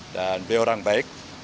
dan beliau orang baik